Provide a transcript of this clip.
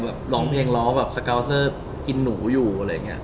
หลอกเพลงร้อสกาวเซอร์กินหนูอยู่